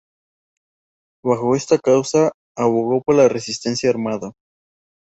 Bajo esta causa, abogó por la resistencia armada.